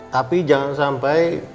tapi jangan sampai